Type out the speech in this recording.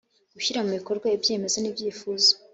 gushyira mu bikorwa ibyemezo n ibyifuzo